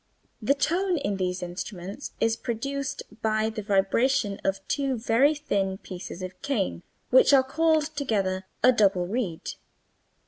The tone in these instruments is produced by the vibration of two very thin pieces of cane, which are called together a double reed.